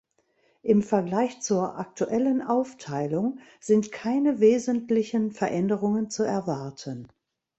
Im Vergleich zur aktuellen Aufteilung sind keine wesentlichen Veränderungen zu erwarten.